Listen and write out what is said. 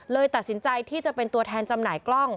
ตัดสินใจที่จะเป็นตัวแทนจำหน่ายกล้อง